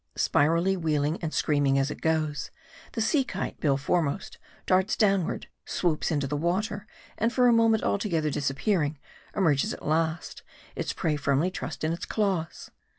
Spirally wheeling and screaming, as it goes, the sea kite, bill foremost, darts downward, swoops into the water, and for a moment altogether disappearing, emerges at last ; its prey firmly trussed in its claws.